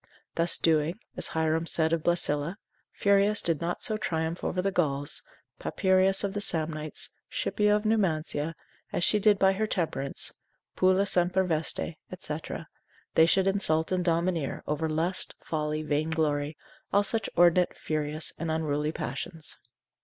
Thus doing, as Hierom said of Blesilla, Furius did not so triumph over the Gauls, Papyrius of the Samnites, Scipio of Numantia, as she did by her temperance; pulla semper veste, &c., they should insult and domineer over lust, folly, vainglory, all such inordinate, furious and unruly passions.